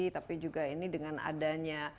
tapi juga ini dengan adanya